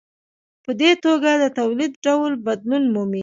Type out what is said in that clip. په دې توګه د تولید ډول بدلون مومي.